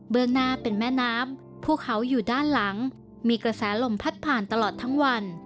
หน้าเป็นแม่น้ำผู้เขาอยู่ด้านหลังมีกระแสลมพัดผ่านตลอดทั้งวัน